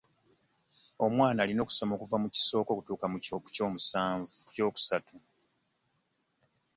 Omwana alina okusoma okuva mu Kisooka okutuuka ku Kyokusatu